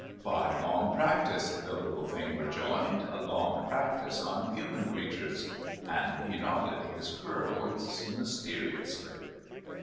"By long practice," the little thing rejoined; "long practice on human creatures." And he nodded his curls mysteriously.